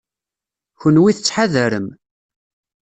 Kenwi tettḥadarem.